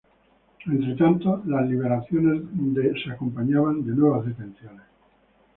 Entre tanto, las liberaciones se acompañaban de nuevas detenciones.